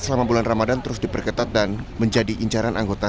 selama bulan ramadan terus diperketat dan menjadi incaran anggota